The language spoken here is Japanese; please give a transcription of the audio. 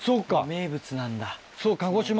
名物なんだ。